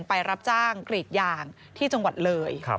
ไปรับจ้างกรีดยางที่จังหวัดเลย